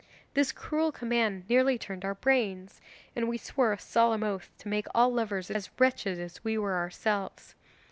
This cruel command nearly turned our brains, and we swore a solemn oath to make all lovers as wretched as we were ourselves.